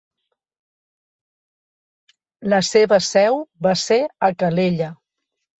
La seva seu va ser a Calella.